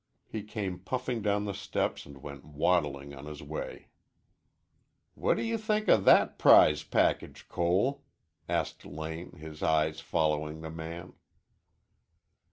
He came puffing down the steps and went waddling on his way. "What do you think of that prize package, Cole?" asked Lane, his eyes following the man.